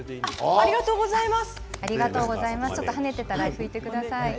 ありがとうございます。